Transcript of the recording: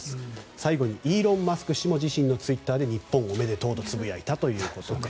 最後にイーロン・マスク氏も自身のツイッターで日本おめでとうとつぶやいたということです。